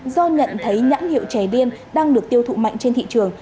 do nhận thấy nhãn hiệu chè điên đang được tiêu thụ mạnh trên thị trường